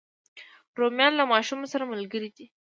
رومیان له ماشوم سره ملګري دي